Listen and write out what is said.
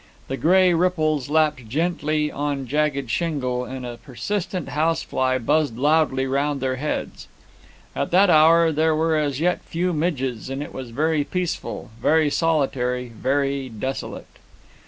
The grey ripples lapped gently on jagged shingle, and a persistent housefly buzzed loudly round their heads; at that hour there were as yet few midges, and it was very peaceful, very solitary, very desolate.